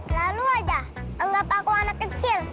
lalu aja anggap aku anak kecil